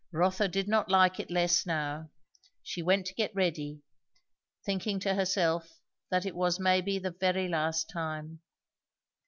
Rotha did not like it less now. She went to get ready; thinking to herself that it was maybe the very last time.